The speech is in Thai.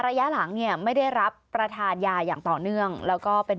ระยะหลังเนี่ยไม่ได้รับประทานยาอย่างต่อเนื่องแล้วก็เป็น